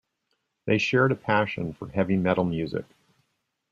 They shared a passion for heavy metal music.